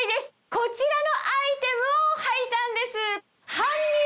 こちらのアイテムをはいたんです。